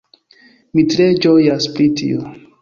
Mi tre ĝojas pri tio!